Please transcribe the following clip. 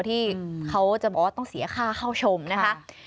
ที่เขาจะบอกว่าต้องเสียค่าเข้าชมนะคะ